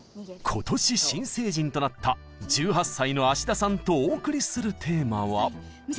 今年新成人となった１８歳の田さんとお送りするテーマは。